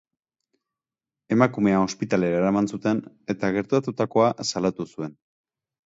Emakumea ospitalera eraman zuten, eta gertatutakoa salatu zuen.